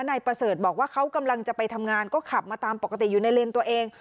นายประเสริฐบอกว่าเขากำลังจะไปทำงานก็ขับมาตามปกติอยู่ในเลนส์ตัวเอง